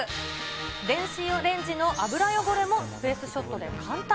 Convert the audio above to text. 電子レンジの油汚れもスペースショットで簡単。